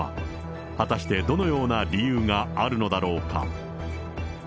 果たしてどのような理由があるのだろうか。